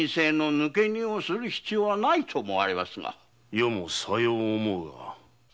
余もさよう思うが。